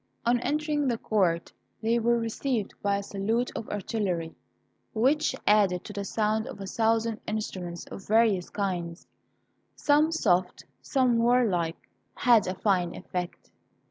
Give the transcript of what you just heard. On entering the court they were received by a salute of artillery, which, added to the sound of a thousand instruments of various kinds, some soft, some warlike, had a fine effect.